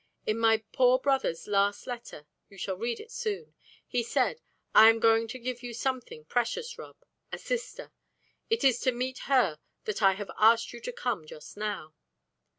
In my poor brother's last letter you shall read it soon he said, 'I am going to give you something precious, Rob; a sister. It is to meet her that I have asked you to come just now.'